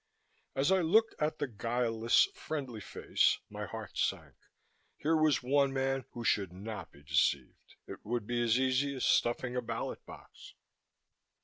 As I looked at the guileless, friendly face, my heart sank. Here was one man who should not be deceived. It would be as easy as stuffing a ballot box.